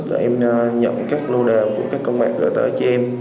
để em nhận các lô đề của các công an gửi tới chị em